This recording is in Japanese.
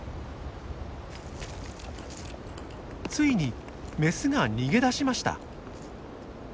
ついにメスが逃げ出しました。